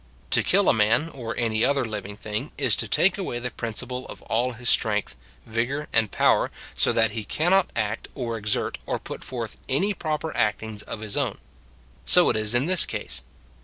To kill a man, or any other living thing, is to take away the principle of all his strength, vigour, and power, so that he cannot act or exert, or put forth any proper actings of his own ; so it is in this case.